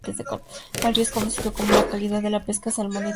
El río es conocido por la calidad de la pesca de salmón y trucha.